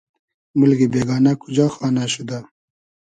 مولگی بېگانۂ کوجا خانۂ شودۂ